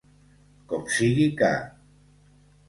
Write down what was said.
Com sigui que.